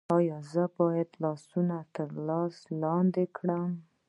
ایا زه باید لاسونه تر سر لاندې کړم؟